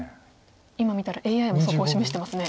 今見たらＡＩもそこを示してますね。